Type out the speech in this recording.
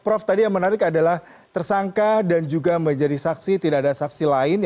prof tadi yang menarik adalah tersangka dan juga menjadi saksi tidak ada saksi lain